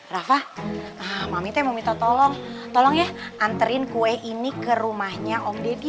rafa mami teh mau minta tolong tolong ya anterin kue ini ke rumahnya om deddy